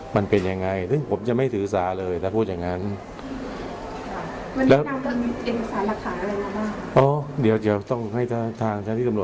มันเป็นยังไงซึ่งผมจะไม่ถือสาเลยถ้าพูดอย่างนั้น